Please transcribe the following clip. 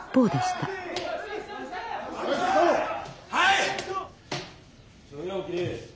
はい！